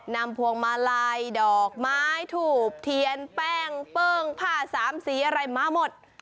พวงมาลัยดอกไม้ถูกเทียนแป้งเปิ้งผ้าสามสีอะไรมาหมด